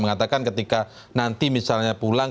mengatakan ketika nanti misalnya pulang